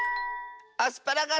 アスパラガス！